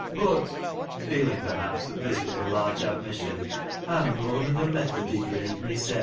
Bat " feeling perhaps that this was a large admission, " I am noan o' th' Methody breed mysen."